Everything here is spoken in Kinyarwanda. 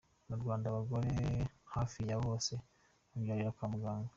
Mu Rwanda abagore hafi ya bose babyarira kwa muganga.